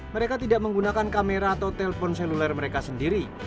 mereka tidak menggunakan kamera atau telpon seluler mereka sendiri